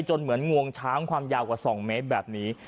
เหมือนงวงช้างความยาวกว่า๒เมตรแบบนี้